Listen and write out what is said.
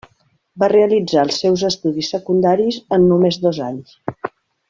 Va realitzar els seus estudis secundaris en només dos anys.